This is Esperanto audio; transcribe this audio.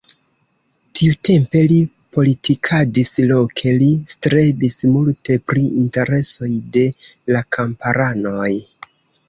Tiutempe li politikadis loke, li strebis multe pri interesoj de la kamparanoj.